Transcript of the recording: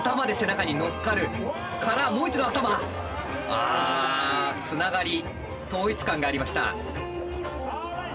あつながり統一感がありました。